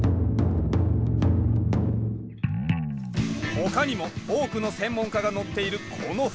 他にも多くの専門家が乗っているこの船。